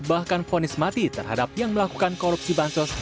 bahkan fonis mati terhadap yang melakukan korupsi bansos